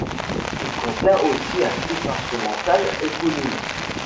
Il contient aussi un titre instrumental éponyme.